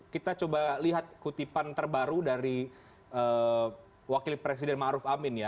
kita coba lihat kutipan terbaru dari wakil presiden ma'ruf amin ya